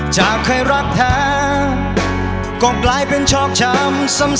จะเอาใครรักแทบก็กลายเป็นชอกชำซ้ำ